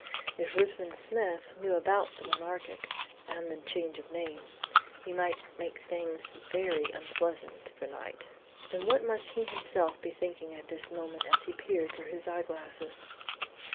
If Ruthven Smith knew about the Monarchic and the change of name, he might make things very unpleasant for Knight. And what must he himself be thinking at this moment as he peered through his eyeglasses?